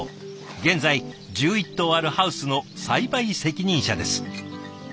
現在１１棟あるハウスの栽培責任者です。